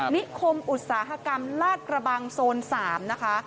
นิคมอุตสาหกรรมลาดกระบังโซน๓นะคะ